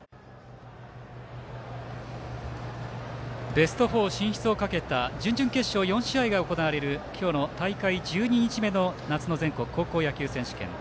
ベスト４進出をかけた準々決勝４試合が行われる今日の大会１２日目の夏の全国高校野球選手権。